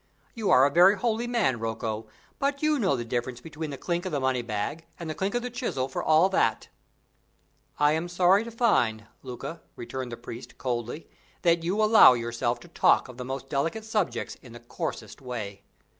You are a very holy man, Rocco, but you know the difference between the clink of the money bag and the clink of the chisel for all that!" "I am sorry to find, Luca," returned the priest, coldly, "that you allow yourself to talk of the most delicate subjects in the coarsest way.